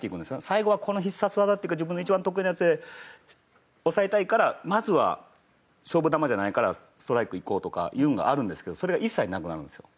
最後はこの必殺技っていうか自分の一番得意なやつで抑えたいからまずは勝負球じゃないからストライクいこうとかいうのがあるんですけどそれが一切なくなるんですよ。